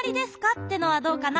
ってのはどうかな？